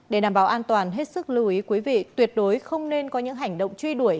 để đảm bảo an toàn hết sức lưu ý quý vị tuyệt đối không nên có những hành động truy đuổi